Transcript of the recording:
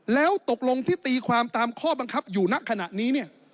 แล้วตกลงที่ตีความตามข้อบังคับอยู่ณขณะนี้เนี่ย